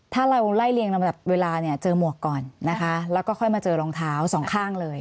ถ้าเราไล่เรียงลำดับเวลาเนี่ยเจอหมวกก่อนนะคะแล้วก็ค่อยมาเจอรองเท้าสองข้างเลย